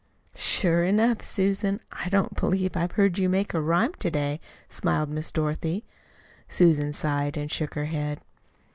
"Sure enough, Susan! I don't believe I've heard you make a rhyme to day," smiled Miss Dorothy. Susan sighed and shook her head.